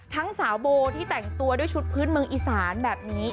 ทั้งสาวโบที่แต่งตัวด้วยชุดพื้นเมืองอีสานแบบนี้